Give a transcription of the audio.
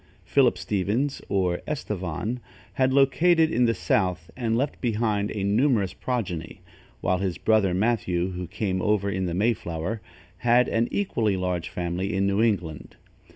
Philip Stevens, or Estevan, had located in the south and left behind a numerous progeny, while his brother Mathew, who came over in the Mayflower, had left an equally large family in New England.